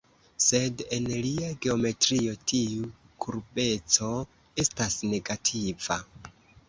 Sed en lia geometrio tiu kurbeco estas negativa.